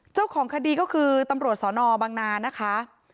เจ้าของคดีก็คือตำรวจสนบังนานะคะ